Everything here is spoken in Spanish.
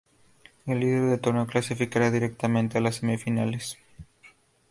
El líder del torneo clasificará directamente a a las semifinales.